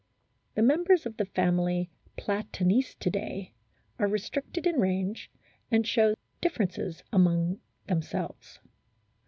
The members of the family Platanistidae are restricted in range, and show differences among them selves.